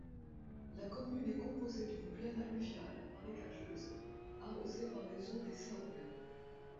La commune est composée d'une plaine alluviale marécageuse, arrosée par les eaux des Sorgues.